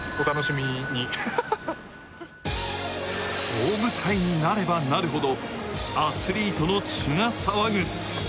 大舞台になればなるほど、アスリートの血が騒ぐ。